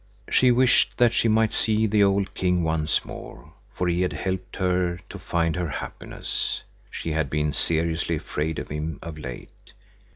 She wished that she might see the old king once more, for he had helped her to find her happiness. She had been seriously afraid of him of late.